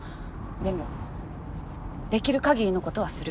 でもできる限りのことはする。